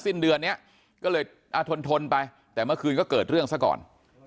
สิ้นเดือนนี้ก็เลยทนทนไปแต่เมื่อคืนก็เกิดเรื่องซะก่อน